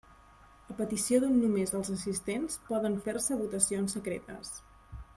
A petició d'un només dels assistents, poden fer-se votacions secretes.